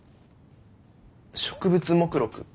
植物目録？